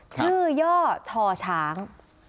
ชื่อย่อช่อช้าง